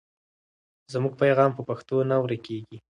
زموږ پیغام په پښتو نه ورکېږي.